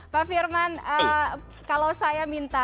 pak firman kalau saya minta